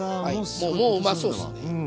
もううまそうですね。